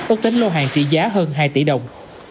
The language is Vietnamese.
ước tính lô hàng trị giá hơn hai tỷ đồng